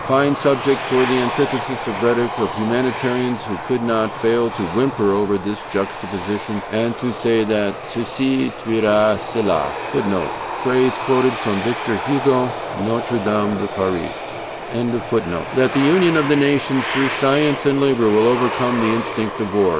Fine subject for the antithesis of rhetoric, of humanitarians who could not fail to whimper over this juxtaposition, and to say that 'CECI TUERA CELA,' [footnote: Phrase quoted from Victor Hugo, "Notre Dame de Paris."] that the union of the nations through science and labor will overcome the instinct of war.